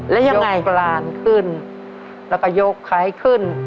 แล้วยังไงยกหลานขึ้นแล้วก็ยกไข่ขึ้น